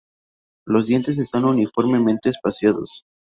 Los dientes están uniformemente espaciados.